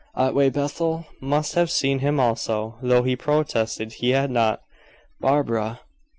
Otway Bethel must have seen him also, though he protested he had not. Barbara!"